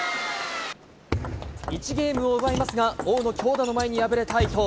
１ゲームを奪いますが、王の強打の前に敗れた伊藤。